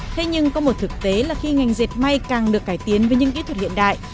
thế nhưng có một thực tế là khi ngành dệt may càng được cải tiến với những kỹ thuật hiện đại